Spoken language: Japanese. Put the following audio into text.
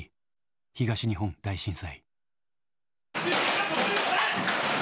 東日本大震災。